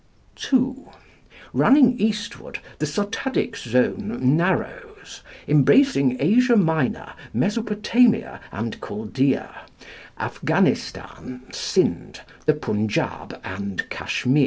"(2) Running eastward the Sotadic Zone narrows, embracing Asia Minor, Mesopotamia and Chaldæa, Afghanistan, Sind, the Punjab, and Kashmir.